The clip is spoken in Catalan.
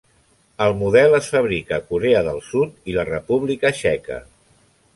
El model es fabrica a Corea del Sud i la República Txeca.